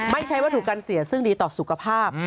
ไม่ใช่ว่าถูกกันเสียซึ่งดีต่อสุขภาพ